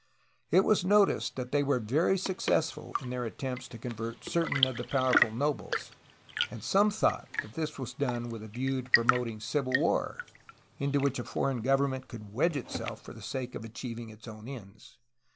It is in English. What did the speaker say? It was noticed that they were very successful in their attempts to convert certain of the powerful nobles, and some thought that this was done with a view to promoting civil war, into which a foreign government could wedge itself for the sake of achieving its own ends.